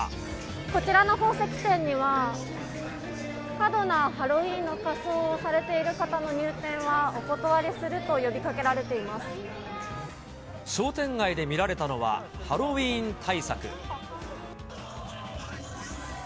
こちらの宝石店には、過度なハロウィーンの仮装をされている方の入店は、お断りすると商店街で見られたのは、ハロウィーン対策。